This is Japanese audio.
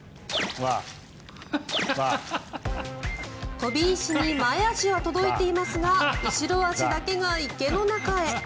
飛び石に前足は届いていますが後ろ足だけが池の中へ。